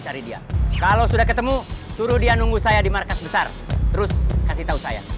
cari dia kalau sudah ketemu suruh dia nunggu saya di markas besar terus kasih tahu saya